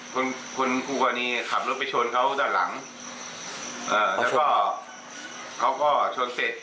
คุณคุณคู่กรณีขับรถไปชนเขาด้านหลังเอ่อแล้วก็เขาก็ชนเสร็จ